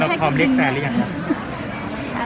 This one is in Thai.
เราพร้อมเรียกแฟนหรือยังคะ